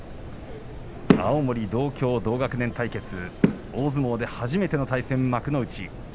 青森同郷同学年対決大相撲で初めての対戦幕内。